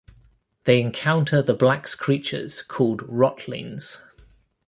They encounter the Black's creatures called Rotlings.